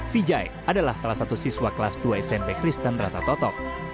vijay adalah salah satu siswa kelas dua smp kristen rata totok